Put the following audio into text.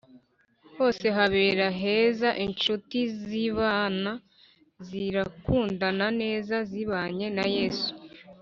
Hose habera heza inshuti zibana zirakundana neza zibanye na Yesu